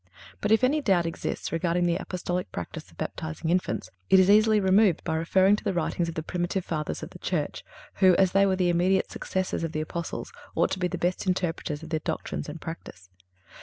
But if any doubt exists regarding the Apostolic practice of baptizing infants it is easily removed by referring to the writings of the primitive Fathers of the Church, who, as they were the immediate successors of the Apostles, ought to be the best interpreters of their doctrines and practice.